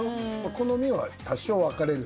好みは多少分かれる。